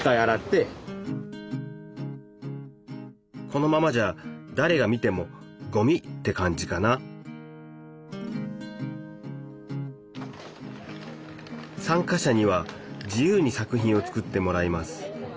このままじゃだれが見てもごみって感じかな参加者には自由に作品を作ってもらいます。